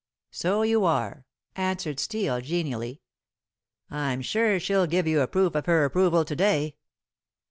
"So you are," answered Steel genially. "I'm sure she'll give you a proof of her approval to day.